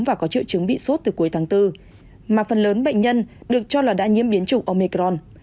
và có triệu chứng bị sốt từ cuối tháng bốn mà phần lớn bệnh nhân được cho là đã nhiễm biến chủng omecron